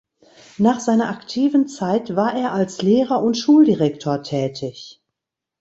Nach seiner aktiven Zeit war er als Lehrer und Schuldirektor tätig.